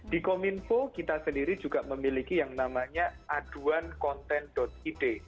di kominfo kita sendiri juga memiliki yang namanya aduan konten id